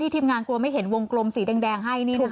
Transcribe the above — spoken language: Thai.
ทีมงานกลัวไม่เห็นวงกลมสีแดงให้นี่นะคะ